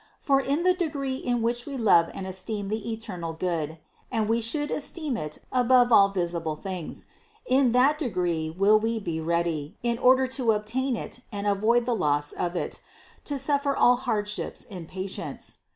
For in the degree in which we love and esteem the eternal good, (and we should esteem it above all visible things), in that degree will we be ready, in order to obtain it and avoid the loss of it, to suffer all hardships in patience.